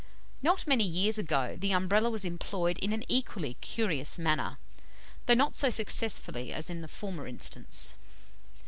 Not many years ago the Umbrella was employed in an equally curious manner, though not so successfully as in the former instance.